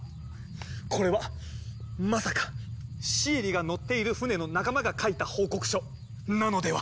これはまさかシエリが乗っている船の仲間が書いた報告書なのでは？